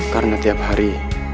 karena tiap hari